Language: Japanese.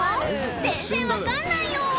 全然分かんないよ！